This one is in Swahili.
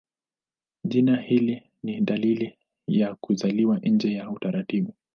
Jina hili ni dalili ya kuzaliwa nje ya utaratibu.